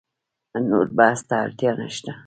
نور بحث ته اړتیا نشته.